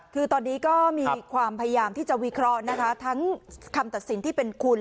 คือตอนนี้ก็มีความพยายามที่จะวิเคราะห์นะคะทั้งคำตัดสินที่เป็นคุณ